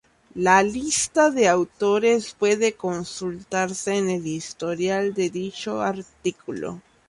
La lista de autores puede consultarse en el historial de dicho artículo.